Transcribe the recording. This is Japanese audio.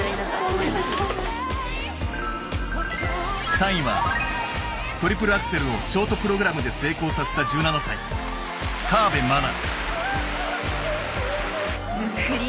３位はトリプルアクセルをショートプログラムで成功させた１７歳河辺愛菜。